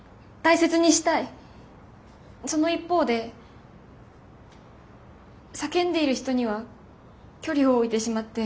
その一方で叫んでいる人には距離を置いてしまって。